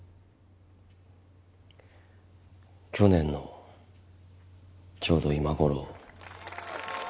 去年のちょうど今頃。